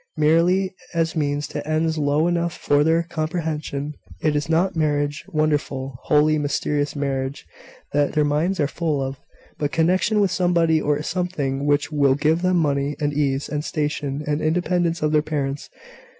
"Merely as means to ends low enough for their comprehension. It is not marriage wonderful, holy, mysterious marriage that their minds are full of, but connection with somebody or something which will give them money, and ease, and station, and independence of their parents.